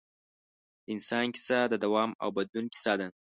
د انسان کیسه د دوام او بدلون کیسه ده.